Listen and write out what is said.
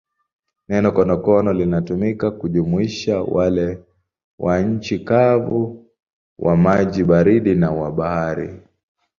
Neno konokono linatumika kujumuisha wale wa nchi kavu, wa maji baridi na wa bahari.